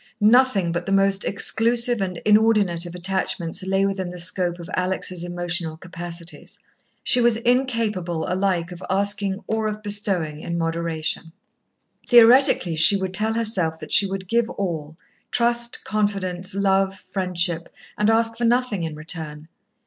Nothing but the most exclusive and inordinate of attachments lay within the scope of Alex' emotional capacities. She was incapable alike of asking or of bestowing in moderation. Theoretically she would tell herself that she would give all, trust, confidence, love, friendship, and ask for nothing in return.